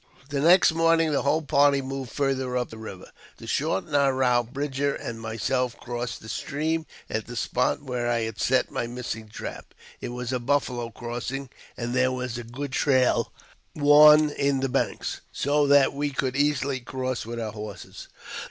The next morning the whole party moved farther up the river. To shorten our route, Bridger and myself crossed the stream at the spot where I had set my missing trap. It was a buffalo crossing, and there was a good trail worn in the banks, so that we could easily cross with our horses.